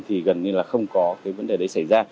thì gần như là không có cái vấn đề đấy xảy ra